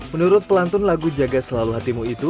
menurut pelantun lagu jaga selalu hatimu itu